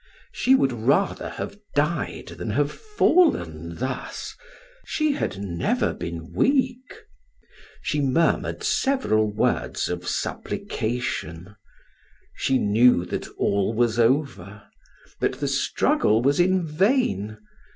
She would rather have died than have fallen thus; she had never been weak. She murmured several words of supplication; she knew that all was over, that the struggle was in vain.